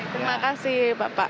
terima kasih bapak